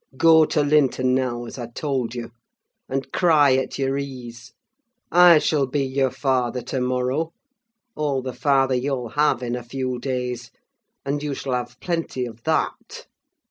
"Go to Linton now, as I told you; and cry at your ease! I shall be your father, to morrow—all the father you'll have in a few days—and you shall have plenty of that.